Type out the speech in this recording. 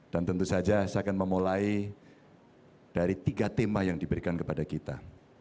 tentu saja saya akan memulai dari tiga tema yang diberikan kepada kita